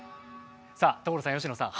さあ所さん佳乃さん。